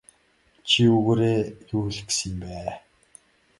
Чи үүгээрээ юу хэлэх гэсэн юм бэ?